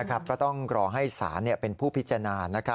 ก็ต้องรอให้ศาลเป็นผู้พิจารณา